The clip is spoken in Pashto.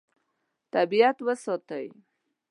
طبیعت وساتئ.